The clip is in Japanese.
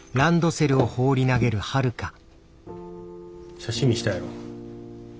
写真見したやろ。